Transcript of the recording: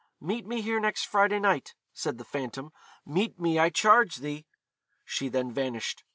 'Meet me here next Friday night,' said the phantom; 'meet me, I charge thee.' She then vanished.